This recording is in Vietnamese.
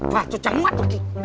phải cho trắng mắt một kì